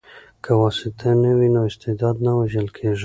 که واسطه نه وي نو استعداد نه وژل کیږي.